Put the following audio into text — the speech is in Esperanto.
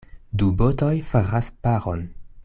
Du botoj faras paron.